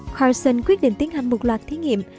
carson quyết định tiến hành một loạt thí nghiệm